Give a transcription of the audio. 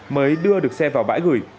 mới đưa được xe vào bãi gửi